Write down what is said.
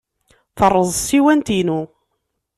Terreẓ tsiwant-inu.